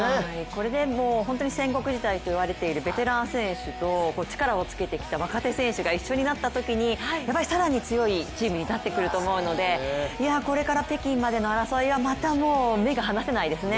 これでもう本当に戦国時代といわれているベテラン選手と力をつけてきた若手選手が一緒になったときにやっぱり更に強いチームになってくると思うのでこれから北京までの争いはまた目が離せないですね。